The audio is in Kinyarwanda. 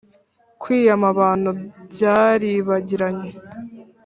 kwiyama abantu byaribagiranye